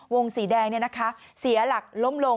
วงสีแดงเนี่ยนะคะเสียหลักล้มลง